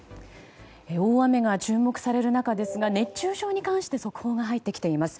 大雨が注目される中ですが熱中症に関して速報が入ってきています。